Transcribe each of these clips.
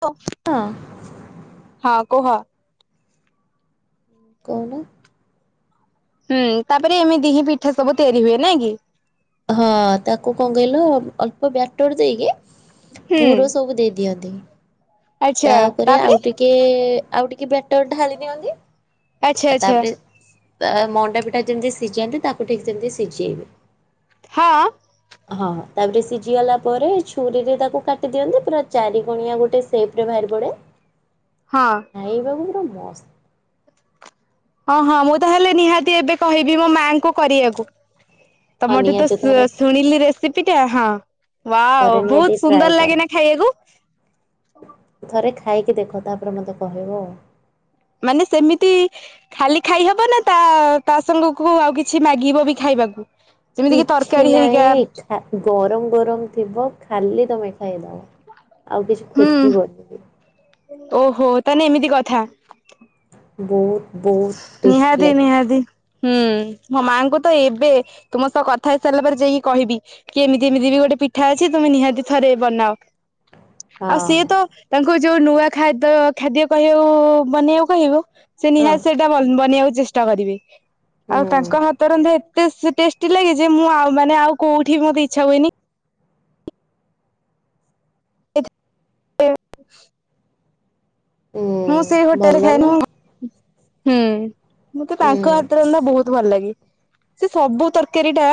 ତ ହଁ। ହଁ କୁହ? କହୁନ? ହୁଁ ତାପରେ ଏମି ଦି ହିଁ ପିଠା ସବୁ ତିଆରି ହୁଏ ନାଇଁ କି? ହଁ ତାକୁ କଣ କହିଲ ଅଳ୍ପ ବ୍ୟାଟର ଦେଇକି ହୁଁ ପୂୁର ସବୁ ଦେଇ ଦିଅନ୍ତି। ତାପରେ ଆଉ ଟିକେ ଆଉ ଟିକେ ବ୍ୟାଟର ଢାଲି ଦିଅନ୍ତି। ଆଚ୍ଛା ଆଉ ଆଚ୍ଛା ତାପରେ ଅ ମଣ୍ଡାପିଠାକୁ ଯେମିତି ସିଝାନ୍ତି ତାକୁ ଠିକ ଯେମିତି ସିଝେଇବେ। ହଁ। ହଁ ତାପରେ ସିଝି ଗଲା ପରେ ଛୁରୀରେ ତାକୁ କାଟି ଦିଅନ୍ତି ପୁରା ଚାରି କଣିଆ ଗୋଟେ ସେଫ୍ ରେ ବାହାରି ପଡ଼େ। ହଁ। ଖାଇବାକୁ ପୁରା ମସ୍ତ। ହଁ ହଁ ମୁଁ ତାହାଲେ ନିହାତି ଏବେ କହିବି ମୋ ମାଇଁ ଙ୍କୁ କରିବାକୁ। ହଁ ତମଠି ତ ନିହାତି ଶୁ ଥରେ ଶୁଣିଲି ରେସିପି ଟା ହଁ। ବା ଥରେ ନିହାତି ବହୁତ ଟ୍ରାଏ ସୁନ୍ଦର କର ଲାଗେନା ଖାଇବାକୁ। ଥରେ ଖାଇକି ଦେଖ ତାପରେ ମୋତେ କହିବ ଆଉ। ମାନେ ସେମିତି ଖାଲି ଖାଇହବ ନା ତା ତା ସାଙ୍ଗକୁ ଆଉ କିଛି ମାଗିବ ବି ଖାଇବାକୁ? ଯେମିତି କିି ତରକାରୀ ହେରିକା? ତାକୁ ଗରମ ଗରମ ଥିବ, ଖାଲି ତମେ ଖାଇଦବ। ଆଉ କିଛି ହୁଁ ଖୋଜିବନିି ବି। ଓହୋ ତାହଲେ ଏମିତି କଥା। ବହୁତ। ବହୁତ ଟେଷ୍ଟି ନିହାତିି ଲାଗେ ନିହାତିି। ହୁଁ, ମୋ ମାଆଙ୍କୁ ତ ଏବେ, ତୁମ ସହ କଥା ହେଇସାରିଲା ପରେ ଯାଇକି କହିବି। କି ଏମିତି ଏମିତି ବି ଗୋଟେ ପିଠା ଅଛି, ତୁମେ ନିହାତି ଥରେ ବନାଅ। ଆଉ ହଁ ସିଏ ତ, ତାଙ୍କୁ ଯୋଉ ନୂଆ ଖାଦ୍ୟ ଖାଦ୍ୟ କହିବାକୁ ବନେଇକୁ କହିବୁ ସେ ହଁ ନିହାତି ସେଇଟା ବନେଇବାକୁ ଚେଷ୍ଟା କରିବେ, ଆଉ ହୁଁ। ତାଙ୍କ ହାତ ରନ୍ଧା ଟେଷ୍ଟି ଲାଗେ ଯେ, ମୁଁ ଆ ମାନେ ଆଉ କୋଉଠି ମତେ ଇଛା ହୁଏନି [unintelligible] ମୁଁ ସେଇ ଉଁ ହୋଟେଲରେ ଭଲ ନା ଖାଇନୁ, ହୁଁ। ମତେ ଉଁ ତାଙ୍କ ହାତରନ୍ଧା ବହୁତ ଭଲ ଲାଗେ। ସେ ସବୁ ତରକାରୀ ଟା,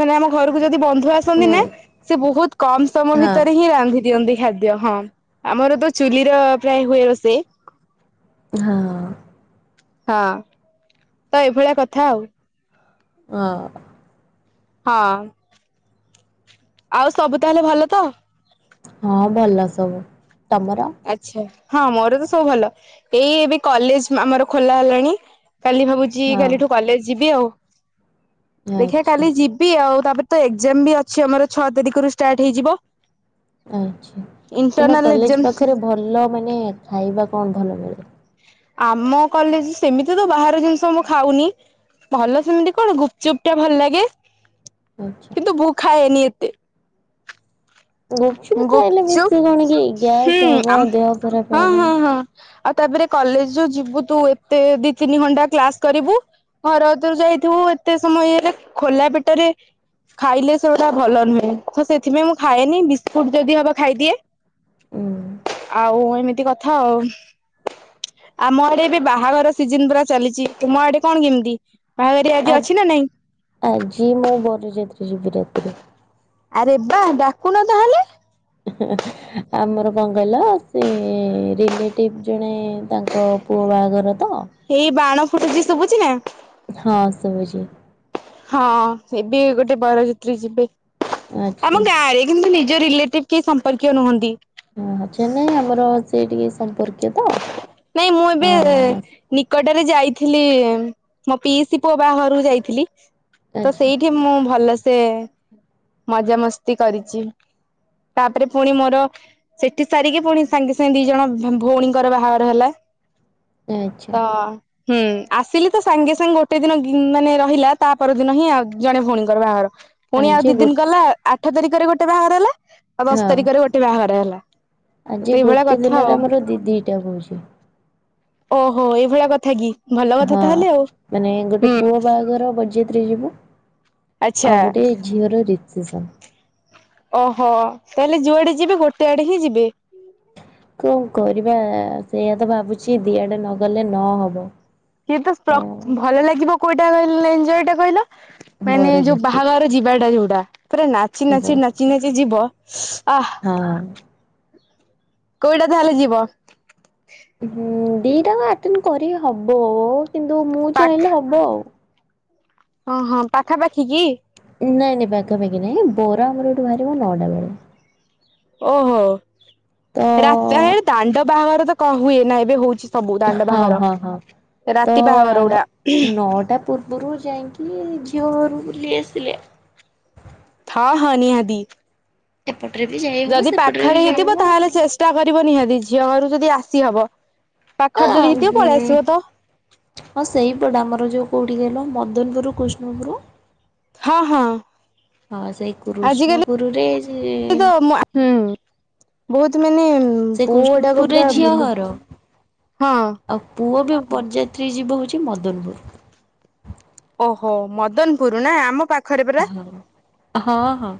ମାନେ ଆମ ଘରକୁ ଯଦି ବନ୍ଧୁ ଆସ ହୁଁ ନା ସେ ବହୁତ କମ ସମୟ ହଁ ଭିତରେ ହିଁ ରାନ୍ଧି ଦିଅନ୍ତି ଖାଦ୍ୟ। ହଁ, ଆମର ତ ଚୁଲିର ପ୍ରାୟ ହୁଏ ରୋଷେଇ। ହଁ ଅଁ। ହଁ ଅଁ। ତ ଏଇଭଳିଆ କଥା ଆଉ। ହଁ ହଁ ଆଉ ସବୁ ତାହେଲେ ଭଲ ତ? ହଁ ଭଲ ସବୁ, ତମର? ଆଛା, ହଁ ମୋର ତ ସବୁ ଭଲ, ଏଇ ଏବେ କଲେଜ ଆମର ଖୋଲା ହେଲାଣି କାଲି ଭାବୁଛି, ହଁ କାଲିଠୁ କଲେଜ ଯିବି ଆଉ। ଦେଖିବା ଆଚ୍ଛା କାଲି ଯିବି ଆଉ, ତାପରେ ତ ଏକ୍ଜାମ ବି ଅଛି ଆମର, ଛଅ ତାରିଖରୁ ଷ୍ଟାର୍ଟ ହେଇଯିବ। ଆଛା, ତମ ଇଣ୍ଟରନାଲ କଲେଜ ଏକ୍ଜାମ ପାଖରେ ଭଲ ମାନେ ଖାଇବା କଣ ଭଲ ମିଳେ? ଆମ କଲେଜ, ସେମିତି ତ ବାହାର ଜିନିଷ ମୁଁ ଖାଉନି ଭଲ ସେମିତି କଣ? ଗୁପଚୁପ ଟା ଭଲ ଲାଗେ ଆଚ୍ଛା। କିନ୍ତୁ ମୁଁ ଖାଏନି ଏତେ। ଗୁପଚୁପ ଖାଇଲେ ଗୁପଚୁପ ବେଶୀ କଣ କି ହୁଁ ଗ୍ୟାସ୍ ହବ ଆ ଦେହ ଖରାପ ହଁ ହବ। ହଁ ହଁ ଆଉ ତାପରେ କଲେଜ ଯୋଉ ଯିବୁ ତୁ ଏତେ ଦି ତିନି ଘଣ୍ଟା କ୍ଲାସ କରିବୁ ଘରଦରୁ ଯାଇଥିବୁ ଏତେ ସମୟ ହେଲା ଖୋଲା ପେଟରେ ଖାଇଲେ ସେଗୁଟା ଭଲ ନୁହେଁ, ତ ସେଥିପାଇଁ ମୁଁ ଖାଏନି ବିସ୍କୁଟ ଯଦି ହବ ଖାଇଦିଏ। ଉଁ ଆଉ ଏମିତି କଥା ଆଉ। ଆମ ଆଡେ ଏବେ ବାହାଘର ସିଜନ ପୁରା ଚାଲିଛି, ତୁମ ଆଡେ କଣ କେମିତି? ବାହାଘରିଆ ଆ ଆଜି ଅଛି ନା ନାଇଁ? ଆଜି ମୁଁ ବର ଯାତ୍ରୀ ଯିବି ରାତିରେ। ଆରେ ବାଃ, ଡାକୁନ ତାହେଲେ? ଆମର କଣ କହିଲ? ସେ ରିଲେଟିଭ୍ ଜଣେ ତାଙ୍କ ପୁଅ ବାହାଘର ତ ଏଇ ବାଣ ଫୁଟୁଛି ଶୁଭୁଛିି ନା। ହଁ ଶୁବୁଛି। ହଁ ଏବେ ଗୋଟେ ବରଯାତ୍ରୀ ଯିବେ, ଆଚ୍ଛା ଆମ ଗାଁରେ। କିନ୍ତୁ ନିଜ ରିଲେଟିଭ କେହି ସମ୍ପର୍କୀୟ ନାହାଁନ୍ତି। ଓହୋ ଅଛନ୍ତି, ଆମର ସେଇ ଟିକେ ସମ୍ପର୍କୀୟ ତ ନାଇଁ ମୁଁ ଏବେ ହଁ ଆଚ୍ଛା ନିକଟରେ ଯାଇଥିଲି, ମୋ ପିଇସିି ପୁଅ ବାହାଘରକୁ ଯାଇଥିଲି। ତ ସେଇଠି ମୁଁ ଭଲସେ ମଜାମସ୍ତି କରିଛି। ତାପରେ ପୁଣି ମୋର ସେଠି ସାରିକି ପୁଣି ସାଙ୍ଗେ ସାଙ୍ଗେ ଦି ଜଣ ଭଉଣୀଙ୍କର ବାହାଘର ହେଲା ଆଚ୍ଛା ତ ହୁଁ ଆସିଲି, ତ ସାଙ୍ଗେ ସାଙ୍ଗେ ଗୋଟେ ଦିନ ମାନେ ରହିଲା, ତା ପରଦିନ ହିଁ ଆଉ ଜଣେ ଭଉଣୀଙ୍କର ବାହାଘର। ପୁଣି ଆଉ ଦି ଆଜି ଗୋ ଦିନ ଗଲା, ଆଠ ତାରିଖରେ ଗୋଟେ ବାହାଘର ହେଲା ଆଉ ଦଶ ହଁ ତାରିଖରେ ଗୋଟେ ବାହାଘର ହେଲା ସେଇଭଳିଆ କଥା ଆଉ। ତ ଦିଦି ତ୍ୟା କହୁଛି। ଓହୋ ଏଇ ଭଳିଆ କଥା କି। ଭଲ କଥା ହଁ ତାହେଲେ ଆଉ। ମାନେ ଗୋଟେ ହୁଁ। ପୁଅ ବାହାଘର ବର ତ୍ରି ଯିବ ଆଚ୍ଛା ଆଉ ଗୋଟେ ଝିଅର ରିସେସନ୍। ଓହୋ ତାହେଲେ ଯୁଆଡେ ଯିବେ ଗୋଟେ ଆଡେ ହିଁ ଯିବେ। କଣ କରିବା ସେଇଆ ତ ଭାବୁଛି ଦିଆଡ଼େ ନ ଗଲେ ନ ହବ। କିନ୍ତୁ ପ୍ରକ୍ ଭଲ ଲାଗିବ କୋଉଟା କହିଲେ ଏଞ୍ଜଏ ଟା କହିଲ? ମାନେ ଯୋଉ ବରଯାତ୍ରୀଟେ ବାହାଘର ଯିବାଟା ଯୋଉଟା ପୁରା ନାଚି ନାଚି ନାଚି ନାଚି ନାଚି ଯିବ ଆ ହଁ। କୋଉଟା ତାହେଲେ ଯିବ? ହଁ ଦିଟା ଙ୍କ ଆଟେଣ୍ଡ କରିହବ କିନ୍ତୁ ମୁଁ ପାଖ ଚାହିଁଲେ ହବ ଆଉ। ହଁ ହଁ ପାଖାପାଖି କି? ନାଇଁ ନାଇଁ ପାଖାପାଖି ନାଇଁ ବର ଆମର ଏଠୁ ବାହାରିବ ନଅଟା ବେଳେ। ଓହୋ ତ ରାତିଆରେ ଦାଣ୍ଡ ବାହାଘର ତ କଁ ହୁଏ ନା ଏବେ ହଉଛି। ସବୁ ଦାଣ୍ଡ ହଁ ବାହାଘର ହଁ ହଁ ତ ରାତି ବାହାଘରଗୋଡ଼ା। ନଅଟା ପୂର୍ବରୁ ଯାଇକି ଝିଅଘରୁ ବୁଲି ଆସିଲେ ହଁ ହଁ ନିହାତି। ଏପଟରେ ବି ଯାଇ ହବ ଯଦି ସେପଟରେ ବି ପାଖରେ ଯାଇ ହେଇଥିବ ହବ ହଁ ତାହେଲେ ଚେଷ୍ଟା କରିବ ନିହାତି ଝିଅ ଘରୁ ଯଦି ଆସିହବ। ହଁ ପାଖରେ ଯଦି ହେଇଥିବ ପଳେଇ ଆସିବ ହମ୍। ତ ହଁ ସେଇପଟେ ଆମର ଯୋଉ କୋଉଠି କହିଲ ମଦନପୁର କୃଷ୍ଣପୁର। ହଁ ହଁ। ହଁ ସେଇ କୃଷ୍ଣପୁରରେ ସେ ଏତେ ମୁଁ ହୁଁ। ବହୁତ ମାନେ ସେ ପୁଅ ଗୁଡାକ କୃଷ୍ଣପୁରରେ ପୁରା ଝିଅ ବୁଲୁ ଘର ହଁ। ଆଉ ପୁଅ ବି ବରଯାତ୍ରୀ ଯିବ ହଉଛି ମଦନପୁର। ଓହୋ ମଦନପୁର ନା ଆମ ପା ହଁ ହଁ ହଁ।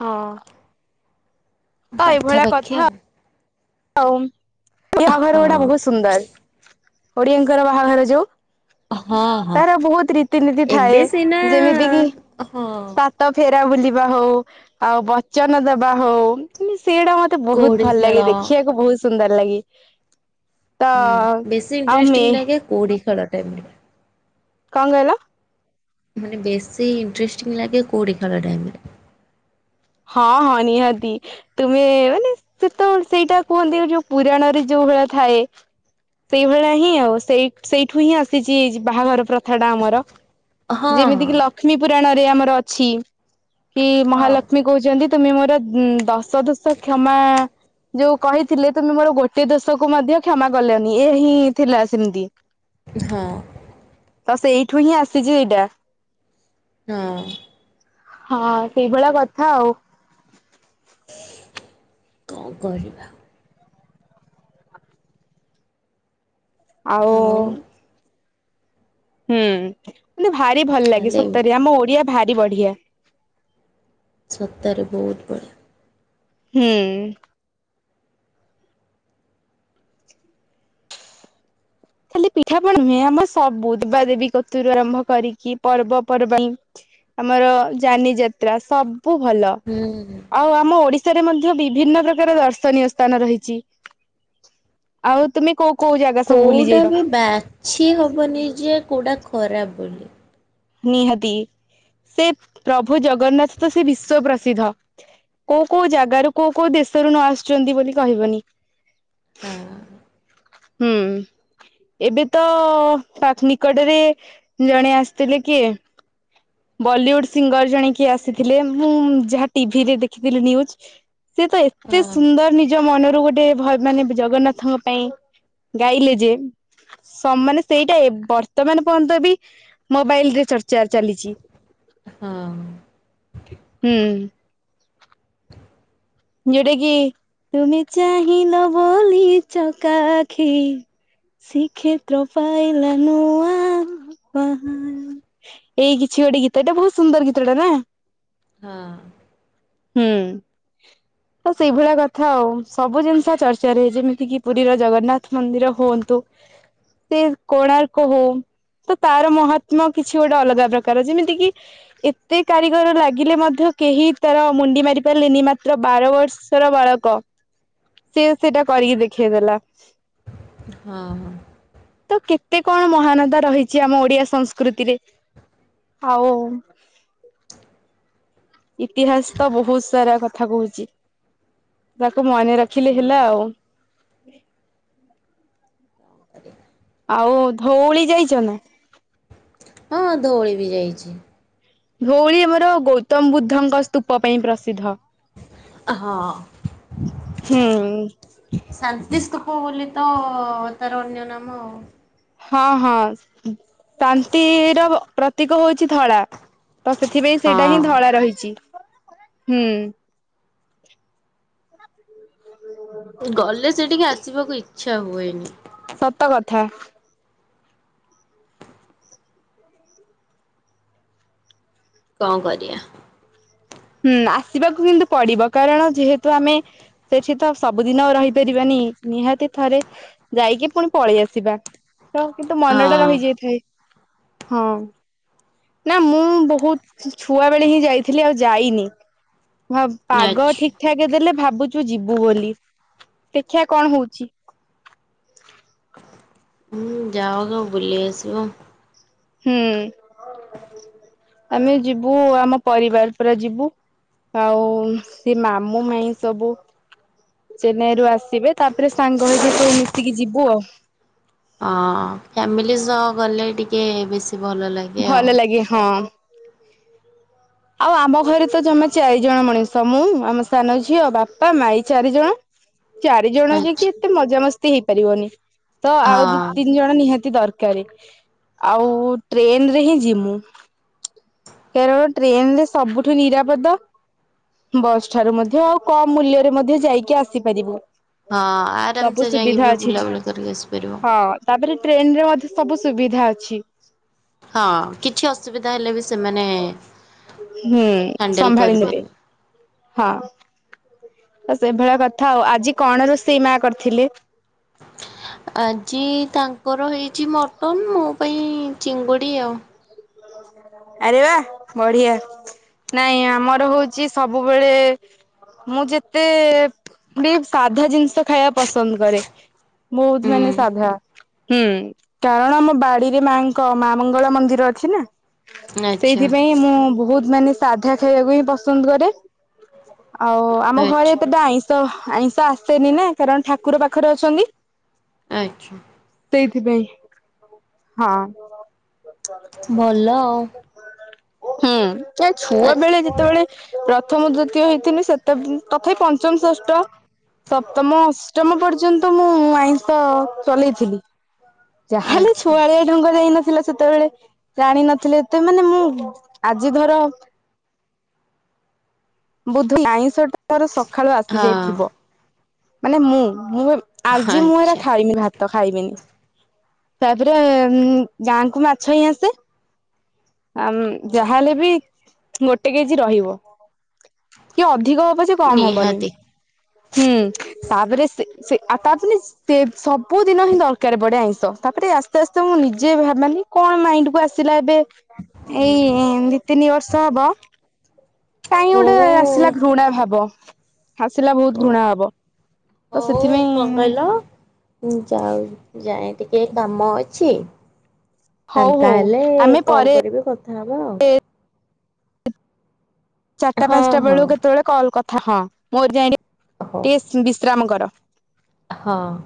ହଁ। ପାଖାପାଖି ଆଉ। ହଉ ଏ ବାହାଘର ଗୁଡା ହଁ ବହୁତ ସୁନ୍ଦର ଓଡିଆଙ୍କର ବାହାଘର ଯୋଉ। ହଁ ହଁ ତାର ବହୁତ ରୀତିନୀତି ଏବେ ଥାଏ ସିନା ଯେମିତି କିି ହଁ। ତା ତା ଫେରା ବୁଲିବା ହଉ ଆଉ ବଚନ ଦବା ହଉ ସେଇଢା ମ ମତେ ବହୁତ କଉଡ଼ି ଭଲ ଖେଳ ଲାଗେ ଦେଖିବାକୁ ବହୁତ ସୁନ୍ଦର ଲାଗେ। ତ ଆଉ ମେ କୋଉଢି ଖେଳ ଟାଇମ ରେ। କଣ କହିଲ? ମାନେ ବେଶୀ ଇଣ୍ଟରେଷ୍ଟିଙ୍ଗ୍ ଲାଗେ କୋଉଢି ଖେଳ ଟାଇମ ରେ। ହଁ ହଁ ନିହାତି। ତୁମେ ମାନେ ସେତ ସେଇଟା କୁହନ୍ତି ଯୋଉ ପୁରାଣରେ ଯୋଉ ଭଳିଆ ଥାଏ। ସେଇଭଳିଆ ହିଁ ଆଉ ସେଇ ସେଇଠୁ ହିଁ ଆସିଛି ବାହାଘର ପ୍ର ଥାଟା ଆମର ହଁ ଯେମିତି ହଁ। କିି ଲକ୍ଷ୍ମୀ ପୁରାଣରେ ଆମର ଅଛି। କି ହଁ। ମହାଲକ୍ଷ୍ମୀ କହୁଛନ୍ତି ତୁମେ ମୋର ଦଶ ଦୋଷ କ୍ଷମା ଯୋଉ କହିଥିଲେ ତମେ ମୋର ଗୋଟେ ଦୋଷକୁ ମଧ୍ୟ କ୍ଷମା କଲନି ଏହା ହିଁ ଥିଲା ସେମିତି। ହଁ। ତ ସେଇଠୁ ହିଁ ଆସିଛି ଏଇଟା। ହଁ। ହଁ ସେଇଭଳିଆ କଥା ଆଉ। କଣ କରିବା। ଆଉ ହୁଁ ମତେ ଭାରି ଭଲ ଲାଗେ ତାହେଲେ ସତରେ ଆମ ଓଡିଆ ଭାରି ବଢିଆ। ସତରେ ବହୁତ ବଢ଼ିଆ। ହୁଁ। ଖାଲି ପିଠାପଣା ନୁହେଁ ଆମର ସବୁ ଦେବାଦେବୀ କତୁରୁ ଆରମ୍ଭ କରିକି ପର୍ବପର୍ବାଣ ଆମର ଯାନି ଯାତ୍ରା ସବୁ ଭଲ ହୁଁ। ଆଉ ଆମ ଓଡ଼ିଶା ଓଡ଼ିଆ ମଧ୍ୟରେ ବିଭିନ୍ନ ପ୍ରକାର ଦର୍ଶନୀୟ ସ୍ଥାନ ରହିଛି ଆଉ ତମେ କୋଉ କୋଉ ଜାଗା ସବୁ ବୁଲି ଯାଇଛ? ଏବେ ବାଛି ହବନି ଯେ କଉଟା ଖରାପ୍ ବୋଲି। ନିହାତି ସେ ପ୍ରଭୁ ଜଗନ୍ନାଥ ତ ସେ ବିଶ୍ଵପ୍ରସିଦ୍ଧ। କୋଉ କୋଉ ଜାଗାରୁ କୋଉ କୋଉ ଦେଶରୁ ନ ଆସୁଛନ୍ତି ବୋଲି କହିବନି। ହଁ ହଁ। ହୁଁ। ଏବେ ତ ପାଥ ନିକଟରେ ଜଣେ ଆସିଥିଲେ କିଏ? ବଲିଉଡ୍ ସିଙ୍ଗର ଜଣେକିଏ ଆସିଥିଲେ ମୁଁ ଯାହା ଟିଭିରେ ଦେଖିଥିଲି ନ୍ୟୁଜ। ସେ ତ ଏତେ ହଁ ସୁନ୍ଦର ନିଜ ମନରୁ ଗୋଟେ ଭଜ ମାନେ ଜଗନ୍ନାଥଙ୍କ ପାଇଁ ଗାଇଲେ ଯେ ସମ ମାନେ ସେଇଟା ବର୍ତ୍ତମାନ ପର୍ଯ୍ୟନ୍ତ ବି ମୋବାଇଲ ରେ ଚର୍ଚ୍ଚା ଚାଲିଛି। ହଁ। ହୁଁ। ଯୋଉଟା କି ତୁମେ ଚାହିଁଲ ବୋଲି ଚକା ଆଖୀ ଶ୍ରୀକ୍ଷେତ୍ର ପାଇଲା ନୁଆଁ ଉପହାର। ଏଇ କିଛି ଗୋଟେ ଗୀତଟା ବହୁତ ସୁନ୍ଦର ଗୀତଟା ନାଁ? ହଁ। ହୁଁ। ତ ସେଇଭଳିଆ କଥା ଆଉ ସବୁ ଜିନିଷ ଚର୍ଚ୍ଚାରେ ଯେମିତି କିି ପୁରୀର ଜଗନ୍ନାଥ ମନ୍ଦିର ହୁଅନ୍ତୁ ସେ କୋଣାର୍କ ହଉ। ତ ତାର ମହାତ୍ମ କିଛି ଗୋଟେ ଅଲଗା ପ୍ରକାର ଯେମିତି କି ଏତେ କାରିଗର ଲାଗିଲେ ମଧ୍ୟ କେହି ତାର ମୁଣ୍ଡି ମାରି ପାରିଲେନି ମାତ୍ର ବାର ବର୍ଷର ବାଳକ ସେ ସେଇଟା କରିକି ଦେଖେଇଦେଲା। ହଁ ହଁ। ତ କେତେ କଣ ମହାନତା ରହିଛି ଆମ ଓଡିଆ ସଂସ୍କୃତିରେ ହଉ। ଇତିହାସ ତ ବହୁତ ସାରା କଥା କହୁଛି ତାକୁ ମନେ ରଖିଲେ ହେଲା ଆଉ। ଆଜ୍ଞା। ଆଉ ଧଉଳି ଯାଇଛ ନା? ହଁ ଧଉଳି ବି ଯାଇଛି। ଧଉଳି ଆମର ଗୌତମ ବୁଦ୍ଧଙ୍କ ସ୍ତୂପ ପାଇଁ ପ୍ରସିଦ୍ଧ। ହଁ। ହୁଁ ସାନ୍ତିସ୍ତୁପ ବୋଲି ତ ତାର ଅନ୍ୟ ନାମ ଆଉ। ହଁ ହଁ ଶାନ୍ତିର ପ୍ରତୀକ ହଉଛି ଧଳା। ତ ସେଥିପାଇଁ ସେଇଟା ହିଁ ହଁ ଧଳା ରହିଛି ହୁଁ। ଗଲେ ସେଠିକି ଆସିବାକୁ ଇଚ୍ଛା ହୁଏନି। ସତକଥା କଣ କରିବା। ହୁଁ ଆସିବାକୁ କିନ୍ତୁ ପଡିବ କାରଣ ଯେହେତୁ ଆମେ ସେଠି ତ ସବୁଦିନ ରହିପାରିବାନି ନିହାତି ଥରେ ଯାଇକି ପୁଣି ପଳେଇ ଆସିବା। ତ କିନ୍ତୁ ମନ ଟା ହଁ ରହିଯାଇଥାଏ। ହଁ ନା ମୁଁ ବହୁତ ଛୁଆ ବେଳେ ହିଁ ଯାଇଥିଲି ଆଉ ଯା ଯାଇନି ଅ ପାଗ ଆଚ୍ଛା। ଠିକ ଠାକ ଯେ ଦେଲେ ଭାବୁଛୁ ଯିବୁ ବୋଲି ଦେଖିବା କଣ ହଉଛି। ହୁଁ ଯାଉନ ବୁଲି ଆସିବ। ହୁଁ ଆମେ ଯିବୁ ଆମ ପରିବାର ପୁରା ଯିବୁ ଆଉ ସିଏ ମାମୁଁ ମାଇଁ ସବୁ ଚେନ୍ନାଇରୁୁ ଆସିବେ ତାପରେ ସାଙ୍ଗ ହେଇକି ସବୁ ମିଶିକି ଯିବୁ ଆଉ। ହଁ ଫ୍ୟାମିଲି ସହ ଗଲେ ଟିକେ ବେଶୀ ଭଲ ଲାଗେ ଆଉ। ଆଜ୍ଞା ହଁ। ଆଉ ଆମ ଘରେ ତ ଜମା ଚାରି ଜଣ ମଣିଷ ମୁଁ ଆମ ସାନ ଝିଅ ବାପା ମା ଏଇ ଚାରିଜଣ। ଚାରି ଜଣ ଆଚ୍ଛା ଯାଇକି ଏତେ ମଜାମସ୍ତି ହେଇପାରିବନି। ତ ଆଉ ଦି ହଁ ତିନି ଜଣ ନିହାତି ଦରକାର ଆଉ ଟ୍ରେନ ରେ ହିଁ ଯିମୁ। କାରଣ ଟ୍ରେନ ରେ ସବୁଠୁ ନିରାପଦ ବସ୍ ଠାରୁ ମଧ୍ୟ ଆଉ କମ ମୂଲ୍ୟରେ ମଧ୍ୟ ଯାଇକି ଆସିପାରିବ। ହଁ, ଆରାମସେ ଯାଇକି ବି ବୁଲାବୁଲା କରିକି ଆସିପାରିବ। ହଁ ତାପରେ ଟ୍ରେନ ରେ ମଧ୍ୟ ସବୁ ସୁବିଧା ଅଛି। ହଁ କିଛି ଅସୁବିଧା ହେଲେ ବି ସେମାନେ ହୁଁ, ହ୍ୟାଣ୍ଡେଲ ସମ୍ଭାଳି ନେବେ କରିପାରିବେ। ହଁ। ସେଇଭଳିଆ କଥା ଆଉ ଆଜି କଣ ରୋଷେଇ ମା କରିଥିଲେ। ଆଜି ତାଙ୍କର ହେଇଛି ମଟନ ମୋ ପାଇଁ ଚିଙ୍ଗୁଡି ଆଉ ଆରେ ବା ବଢିଆ। ନାଇଁ ଆମର ହଉଛି ସବୁବେଳେ ମୁଁ ଯେତେ ବି ସାଧା ଜିନିଷ ଖାଇବା ପସନ୍ଦ କରେ। ବହୁତ ମାନେ ହୁଁ ସାଧା ହୁଁ କାରଣ ଆମ ବାଡିରେ ମାଂ ମା ମଙ୍ଗଳା ମନ୍ଦିର ଅଛି ନା ଆଚ୍ଛା ସେଇଥିପାଇଁ ମୁଁ ବହୁତ ମାନେ ସାଧା ଖାଇବାକୁ ହିଁ ପସନ୍ଦ କରେ ଆଉ ଆମ ଘରେ ଆଚ୍ଛା ଏତେଟା ଆଇଁ ତ ଆଇଁଷ ଆସେନି ନା କାରଣ ଠାକୁର ପାଖରେ ଅଛନ୍ତି। ଆଛା ସେଇଥିପାଇଁ ହଁ। ଭଲ ଆଉ। ହୁଁ ଏ ଆ ଛୁଆ ବେଳେ ଯେ ଯେତେବେଳେ ପ୍ରଥମ ଦ୍ଵିତୀୟ ହେଇଥିଲି ସେତେ ବେ ତଥାପି ପଞ୍ଚମ ଷଷ୍ଠ। ସପ୍ତମ ଅଷ୍ଟମ ପର୍ଯ୍ୟନ୍ତ ମୁଁ ଆଇଁଷ ଚଲେଇଥିଲି। ଯାହା ହେଲେ ଆଚ୍ଛା ଛୁଆଳିଆ ଢଙ୍ଗ ଯାଇ ନଥିଲା ସେତେବେଳେ। ଜାଣିନଥିଲେ ଏତେ ମାନେ ମୁଁ ଆଜି ଧର ବୁଧି ଆାଇଁଶଟାର ସକାଳୁ ହଁ ଆସିଯାଇଥିବ ମାନେ ମୁଁ ମୁଁ ଆଜି ମୁଁ ଏରା ଆଚ୍ଛା ଖାଇମି ଭାତ ତ ଖାଇବିନି ତାପରେ ଗାଁ କୁ ମାଛ ହିଁ ଆସେ। ଆମ୍ ଯାହାହେଲେ ବି ଗୋଟେ କେଜି ରହିବ। ଟିକିଏ ଅଧିକ ହବ ସେ କମ ହବନି। ନିହାତି। ହୁଁ ତାପରେ ସେ ସେ ଆ ତାପରେ ସେ ସବୁ ଦିନ ହିଁ ଦରକାର ପଡେ ଆଇଁଷ ତାପରେ ଆସ୍ତେ ଆସ୍ତେ ମୁଁ ନିଜେ ଭ ଭାବନି କଣ ମାଇଣ୍ଡକୁୁ ଆସେ। ଆସିଲା ଏବେ ଏଇ ଦି ତିନି ବର୍ଷ ହବ। କାଇଁ ଗୋଟେ ହଉ ଆସିଲା ଘୃଣା ଭାବ। ଆସିଲା ବହୁତ ଘୃଣା ଭାବ ତ ହଉ ସେଥିପାଇଁ। କଣ କହିଲ? ଯାଉ ଯାଏ ଟିକେ କାମ ଅଛି। ହଉ ଫାଙ୍କା ହଉ ହେଲେ ଆମେ କଲ ପରେ କରିବି କଥା ହବା ଆଉ। ଚାରିଟା ହଁ ପାଞ୍ଚଟା ହଁ ବେଳ କେତେବେଳେ କଲ୍ କଥା ହଁ ମୋର ଯାଇ ହଉ ଟିକେ ବିଶ୍ରାମ କର। ହଁ।